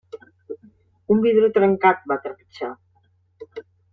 Un vidre trencat, va trepitjar.